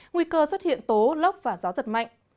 nguy cơ xuất hiện tố lốc và gió giật mạnh